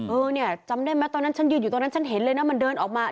เออเนี่ยจำได้ไหมตอนนั้นฉันยืนอยู่ตรงนั้นฉันเห็นเลยนะมันเดินออกมา